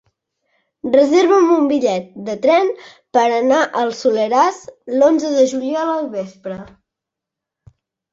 Reserva'm un bitllet de tren per anar al Soleràs l'onze de juliol al vespre.